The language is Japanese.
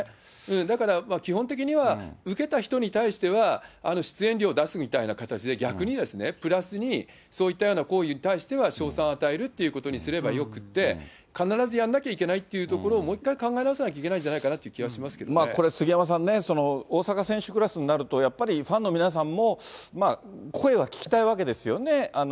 だから基本的には受けた人に対しては、出演料を出すみたいな形で、逆にプラスに、そういったような行為に対しては、称賛を与えるっていうことにすればよくて、必ずやんなきゃいけないというところをもう一回、考え直さなきゃいけないという気はしこれ、杉山さんね、大坂選手クラスになると、やっぱりファンの皆さんも声は聞きたいわけですよね。